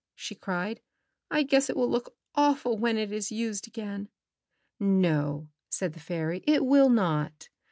she cried. "I guess it will look awful when it is used again!" '^No," said the fairy, "it will not.